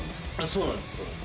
そうなんですよ。